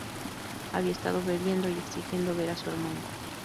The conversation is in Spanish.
Había estado bebiendo y exigiendo ver a su hermano.